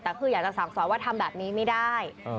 แต่คืออยากจะสั่งสอนว่าทำแบบนี้ไม่ได้